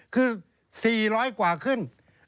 คือ๔๐๐กว่าขึ้น